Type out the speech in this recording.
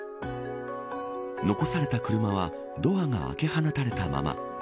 残された車はドアが開け放たれたまま。